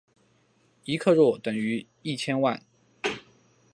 一克若等于一千万。